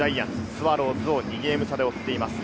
スワローズを２ゲーム差で追っています。